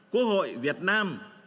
quốc hội việt nam